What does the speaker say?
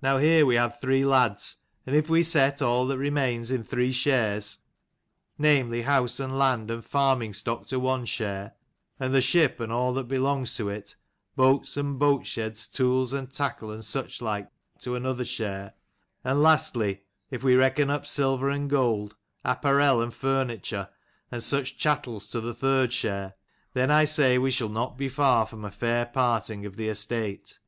Now here we have three lads: and if we set all that remains in three shares, namely house and land and farming stock to one share : and the ship and all that belongs to it, boats and boat sheds, tools and tackle and such like, to another share: and lastly if we reckon up silver and gold, apparel and furniture and such chattels to the third share: then I say we shall not be far from a fair parting of the estate.